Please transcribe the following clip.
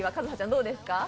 どうですか？